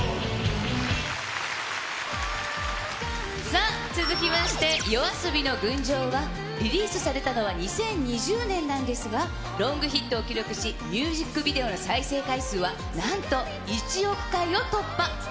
さあ、続きまして、ＹＯＡＳＯＢＩの群青は、リリースされたのは２０２０年なんですが、ロングヒットを記録し、ミュージックビデオの再生回数は、なんと１億回を突破。